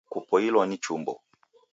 Kwapoilwa ni chombo?